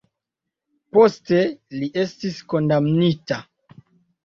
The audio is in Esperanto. Poste li estis kondamnita.